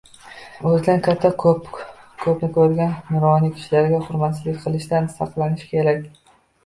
O‘zidan katta, ko‘pni ko‘rgan nuroniy kishilarga hurmatsizlik qilishdan saqlanish kerak.